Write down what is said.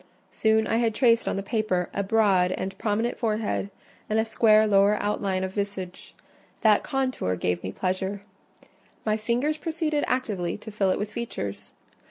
Soon I had traced on the paper a broad and prominent forehead and a square lower outline of visage: that contour gave me pleasure; my fingers proceeded actively to fill it with features.